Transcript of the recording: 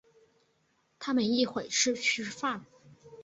他们一会儿去吃饭。